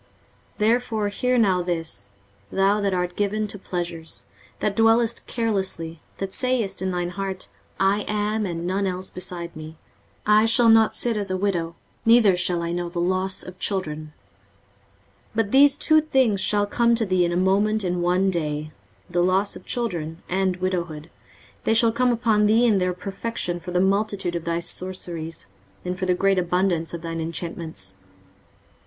23:047:008 Therefore hear now this, thou that art given to pleasures, that dwellest carelessly, that sayest in thine heart, I am, and none else beside me; I shall not sit as a widow, neither shall I know the loss of children: 23:047:009 But these two things shall come to thee in a moment in one day, the loss of children, and widowhood: they shall come upon thee in their perfection for the multitude of thy sorceries, and for the great abundance of thine enchantments.